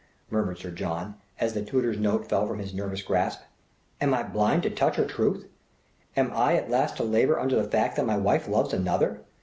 murmured Sir John, as the tutor's note fell from his nervous grasp, "Am I blind to touch or truth? Am I at last to labour under the fact that my wife loves another!